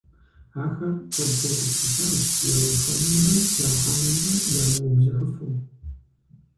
Ахэр куэдрэ гупсысащ яухуэнумрэ ящӏэнумрэ ямыубзыхуфу.